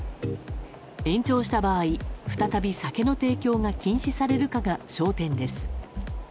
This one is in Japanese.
延長した場合再び酒の提供が禁止されるかが焦点です。